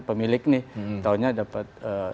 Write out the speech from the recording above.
pemilik nih tahunnya dapat